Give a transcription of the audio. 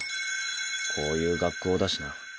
こういう学校だしな